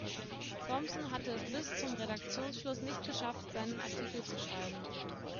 Thompson hatte es bis zum Redaktionsschluss nicht geschafft, seinen Artikel zu schreiben.